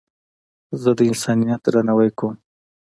زه د انسانیت درناوی کوم.